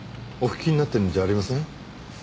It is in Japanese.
お聞きになってるんじゃありません？